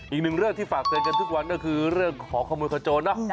อีกหนึ่งเรื่องที่ฝากเตือนกันทุกวันก็คือเรื่องของขโมยขโจนเนอะ